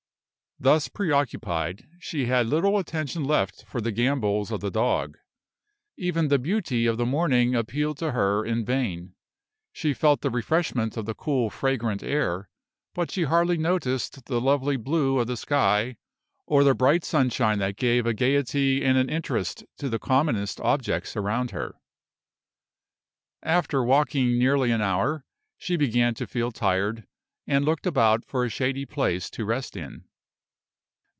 Thus preoccupied, she had little attention left for the gambols of the dog. Even the beauty of the morning appealed to her in vain. She felt the refreshment of the cool, fragrant air, but she hardly noticed the lovely blue of the sky, or the bright sunshine that gave a gayety and an interest to the commonest objects around her. After walking nearly an hour, she began to feel tired, and looked about for a shady place to rest in.